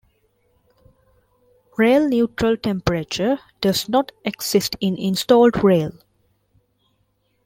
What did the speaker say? Rail Neutral Temperature does not exist in installed rail.